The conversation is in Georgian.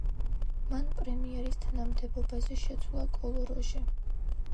მან პრემიერის თანამდებობაზე შეცვალა კოლო როჟე.